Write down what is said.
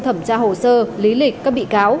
thẩm tra hồ sơ lý lịch các bị cáo